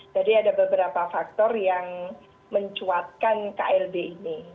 jadi ada beberapa faktor yang mencuatkan klb ini